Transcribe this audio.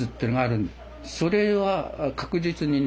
それは確実にね